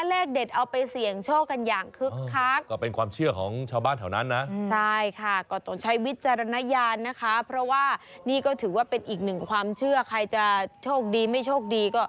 เลกเด็ดเอาไปเสี่ยงโชคกันอย่างคึกคัก